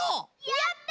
やった！